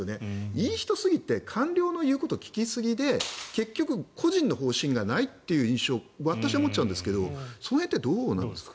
いい人すぎて官僚の言うことを聞きすぎで結局、個人の方針がないという印象を私は持っちゃうんですけどその辺ってどうなんですか？